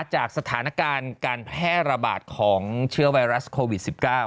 จากสถานการณ์การแพร่ระบาดของเชื้อไวรัสโควิด๑๙